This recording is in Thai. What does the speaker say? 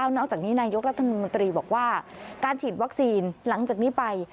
นอกจากนี้นายกรัฐมนตรีบอกว่าการฉีดวัคซีนหลังจากนี้ไป